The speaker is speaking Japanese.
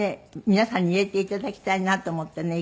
皆さんに入れて頂きたいなと思ってね